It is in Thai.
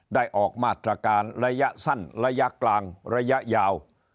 ออกมาตรการระยะสั้นระยะกลางระยะยาว